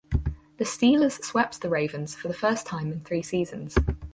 The Steelers swept the Ravens for the first time in three seasons.